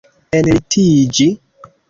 enlitiĝi